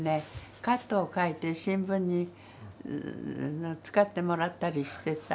カットを描いて新聞に使ってもらったりしてさ。